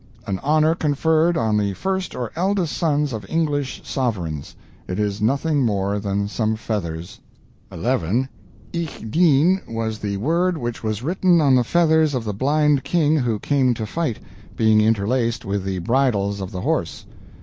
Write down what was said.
An honor conferred on the first or eldest sons of English Sovereigns. It is nothing more than some feathers. "11. Ich Dien was the word which was written on the feathers of the blind King who came to fight, being interlaced with the bridles of the horse.